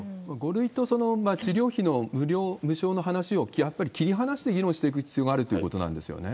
５類と、その治療費の無償の話を、やっぱり切り離して議論していく必要があるっていうことなんですよね。